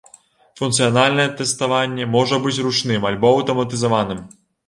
Функцыянальнае тэставанне можа быць ручным альбо аўтаматызаваным.